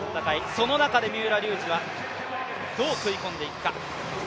その中で三浦龍司はどう食い込んでいくか。